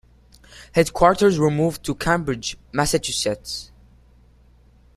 Headquarters were moved to Cambridge, Massachusetts.